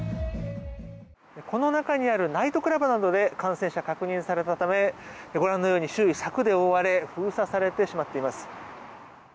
この中にあるナイトクラブなどで感染者が確認されたためご覧のように周囲は柵で覆われ封鎖されてしまっています。